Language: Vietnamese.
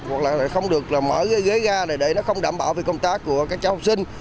hoặc là không được mở ghế ra để nó không đảm bảo về công tác của các cháu học sinh